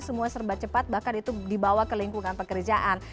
semua serba cepat bahkan itu dibawa ke lingkungan pekerjaan